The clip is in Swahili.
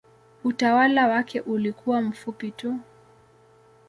Utawala wake ulikuwa mfupi tu.